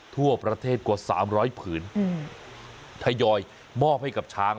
ทั่วประเทศกว่า๓๐๐ผืนทยอยมอบให้กับช้าง